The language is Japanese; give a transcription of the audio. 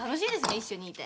一緒にいて。